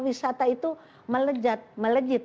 wisata itu melejit